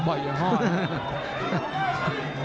บ่อยอาห้อ